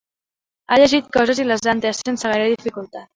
Ha llegit coses i les ha entès sense gaire dificultat.